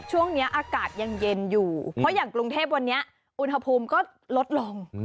ช่วงนี้อากาศยังเย็นอยู่เพราะอย่างกรุงเทพวันนี้อุณหภูมิก็ลดลง